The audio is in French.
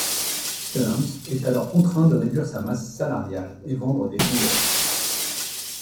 Stearns est alors contraint de réduire sa masse salariale et vendre des joueurs.